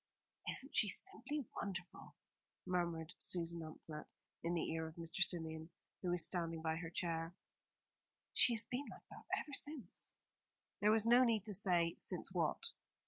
"Isn't she simply wonderful?" murmured Susan Amphlett in the ear of Mr. Symeon, who was standing by her chair. "She has been like that ever since." There was no need to say since what.